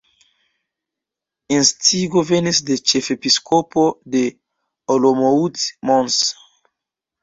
Instigo venis de ĉefepiskopo de Olomouc Mons.